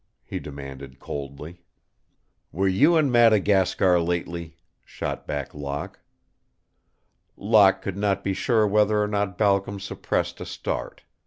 he demanded, coldly. "Were you in Madagascar lately?" shot back Locke. Locke could not be sure whether or not Balcom suppressed a start.